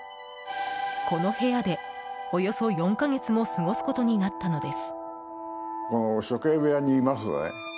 この部屋で、およそ４か月も過ごすことになったのです。